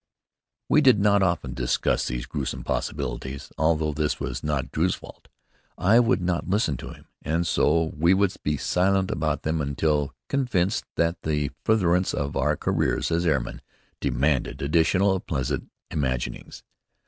We did not often discuss these gruesome possibilities, although this was not Drew's fault. I would not listen to him; and so he would be silent about them until convinced that the furtherance of our careers as airmen demanded additional unpleasant imaginings.